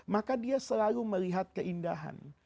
maka dia selalu melihat keindahan